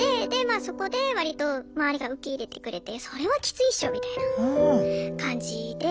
あそこで割と周りが受け入れてくれてそれはきついっしょみたいな感じで。